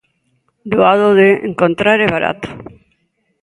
Doado de encontrar e barato.